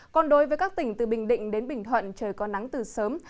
còn đối với các tỉnh từ bình định đến bình thuận trời có nắng từ sớm